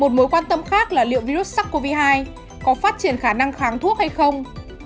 một mối quan tâm khác là liệu virus sars cov hai có phát triển khả năng kháng thuốc hay không